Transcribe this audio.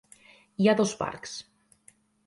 Hi ha dos parcs.